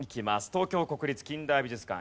東京国立近代美術館